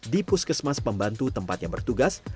di puskesmas pembantu tempat yang bertugas